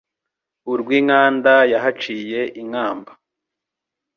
Urw'i Nkanda yahaciye inkamba